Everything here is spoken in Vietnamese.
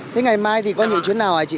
thế ngày mai thì có những chuyến nào hả chị